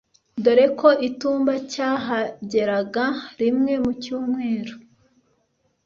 dore ko i tumba cyahageraga rimwe mu cyumweru.